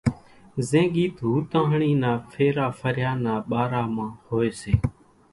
زين ڳيت ھوتاۿڙي نا ڦيرا ڦريان نا ٻارا مان ھوئي سي،